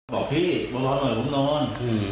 บอกพี่บ่าวหน่อยผมนอน